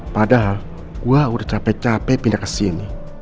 padahal gue udah capek capek pindah kesini